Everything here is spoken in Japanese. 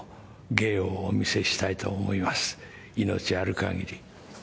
芸をお見せしたいと思います、命ある限り。